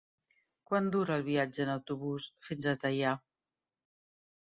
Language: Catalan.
Quant dura el viatge en autobús fins a Teià?